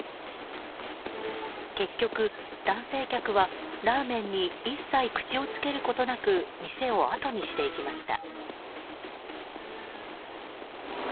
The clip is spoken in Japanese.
結局、男性客はラーメンに一切、口をつけることなく店をあとにしていきました。